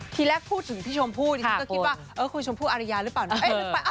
ทีแรกพูดถึงพี่ชมพู่ดิฉันก็คิดว่าคุณชมพู่อารยาหรือเปล่านะ